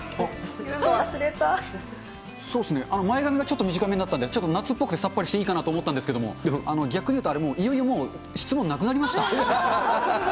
そうっすね、前髪がちょっと短めになったんで、夏っぽくてさっぱりしていいかなと思ったんですけども、逆に言うと、いよいよもう、質問なくなりました？